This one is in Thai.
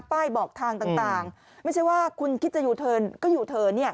ป้ายบอกทางต่างไม่ใช่ว่าคุณคิดจะยูเทิร์นก็ยูเทิร์น